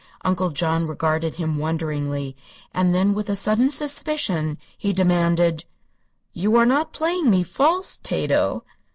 Uncle John regarded him wonderingly; and then, with a sudden suspicion, he demanded: "You are not playing me false, Tato?"